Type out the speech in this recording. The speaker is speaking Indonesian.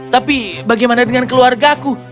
tapi bagaimana dengan keluarga aku